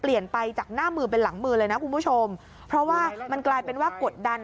เปลี่ยนไปจากหน้ามือเป็นหลังมือเลยนะคุณผู้ชมเพราะว่ามันกลายเป็นว่ากดดัน